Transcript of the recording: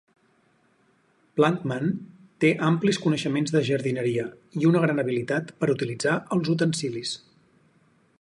Plantman té amplis coneixements de jardineria, i una gran habilitat per a utilitzar els utensilis.